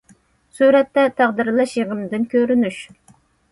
سۈرەتتە: تەقدىرلەش يىغىندىن كۆرۈنۈش.